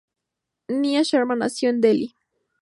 Nia Sharma nació en Delhi.